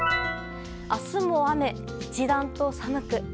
明日も雨、一段と寒く。